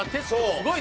すごい。